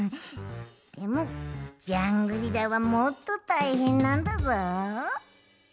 でもジャングリラはもっとたいへんなんだぞ！